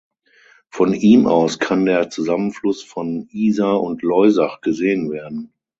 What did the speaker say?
Von ihm aus kann der Zusammenfluss von Isar und Loisach gesehen werden.